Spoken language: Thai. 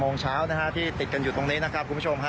โมงเช้าที่ติดกันอยู่ตรงนี้นะครับคุณผู้ชมฮะ